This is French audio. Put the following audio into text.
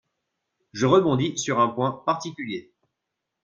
Je rebondis sur un point particulier.